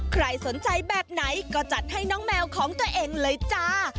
ใครสนใจแบบไหนก็จัดให้น้องแมวของตัวเองเลยจ้า